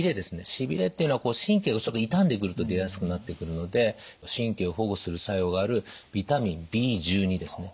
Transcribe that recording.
しびれっていうのは神経が傷んでくると出やすくなってくるので神経を保護する作用があるビタミンＢですね。